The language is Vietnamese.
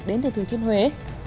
đến từ thủy thiên huế